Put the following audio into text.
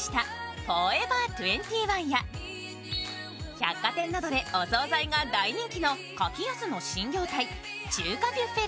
百貨店などでお総菜が大人気の柿安の新業態中華ビュッフェ